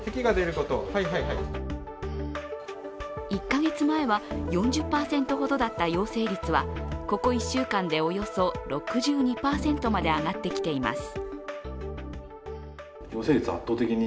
１か月前は４０％ほどだった陽性率はここ１週間でおよそ６２％まで上がってきています。